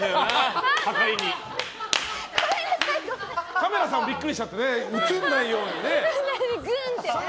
カメラさんもビックリしちゃってね映らないように。